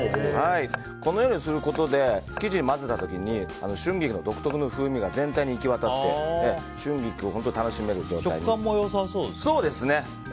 このようにすることで生地混ぜた時に春菊の独特の風味が全体に行き渡って食感も良さそうですね。